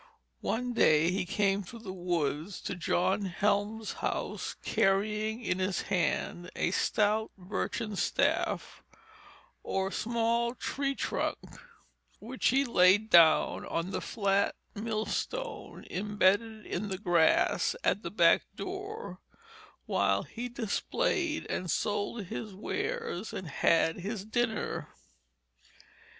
One day he came through the woods to John Helme's house carrying in his hand a stout birchen staff or small tree trunk, which he laid down on the flat millstone imbedded in the grass at the back door, while he displayed and sold his wares and had his dinner.